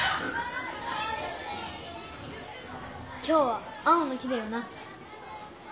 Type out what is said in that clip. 今日は青の日だよな！